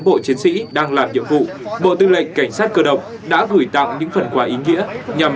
bộ chiến sĩ đang làm nhiệm vụ bộ tư lệnh cảnh sát cơ động đã gửi tặng những phần quà ý nghĩa nhằm